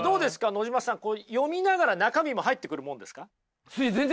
野島さん読みながら中身も入ってくるものですか？